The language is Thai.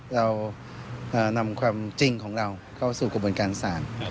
เรานำความจริงของเราเข้าสู่กระบวนการศาล